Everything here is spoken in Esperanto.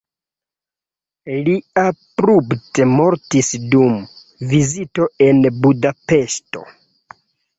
Li abrupte mortis dum vizito en Budapeŝto.